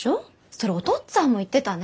それお父っつぁんも言ってたね！